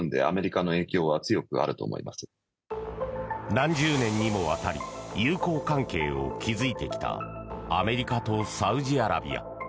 何十年にもわたり友好関係を築いてきたアメリカとサウジアラビア。